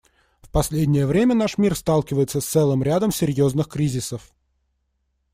В последнее время наш мир сталкивается с целым рядом серьезных кризисов.